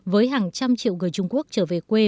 với hàng trăm triệu người trung quốc trở về quê